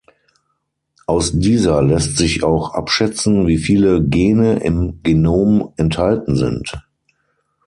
Aus dieser lässt sich auch abschätzen, wie viele Gene im Genom enthalten sind.